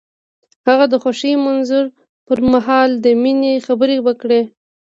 هغه د خوښ منظر پر مهال د مینې خبرې وکړې.